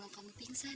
dia teman saya